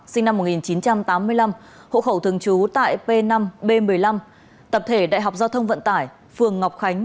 sinh năm một nghìn chín trăm tám mươi năm hộ khẩu thường trú tại p năm b một mươi năm tập thể đại học giao thông vận tải phường ngọc khánh